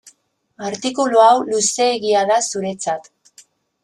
Artikulu hau luzeegia da zuretzat.